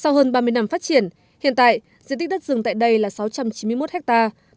sau hơn ba mươi năm phát triển hiện tại diện tích đất rừng tại đây là sáu trăm chín mươi một hectare